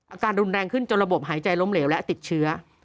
อาการรุนแรงขึ้นจนระบบหายใจล้มเหลวและติดเชื้อ